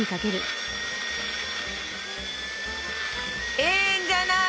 いいんじゃない！